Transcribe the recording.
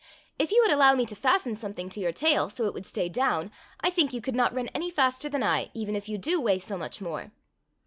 If you would allow me to fasten something to your tail so it would stay down I think you could not run any faster than I, even if you do weigh so much more."